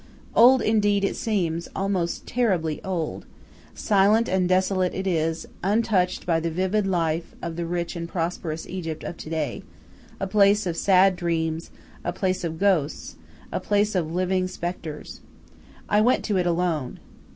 Old indeed it seems, almost terribly old. Silent and desolate is it, untouched by the vivid life of the rich and prosperous Egypt of to day, a place of sad dreams, a place of ghosts, a place of living spectres. I went to it alone.